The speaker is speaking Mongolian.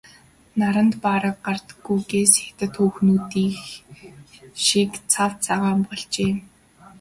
Наранд бараг гардаггүйгээс хятад хүүхнүүдийнх шиг цав цагаан болжээ.